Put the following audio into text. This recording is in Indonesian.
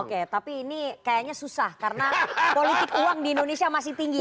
oke tapi ini kayaknya susah karena politik uang di indonesia masih tinggi